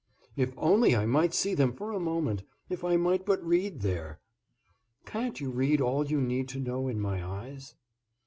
"If only I might see them for a moment, if I might but read there!" "Can't you read all you need to know in my eyes?"